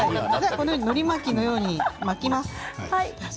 このようにのり巻きのように巻きます。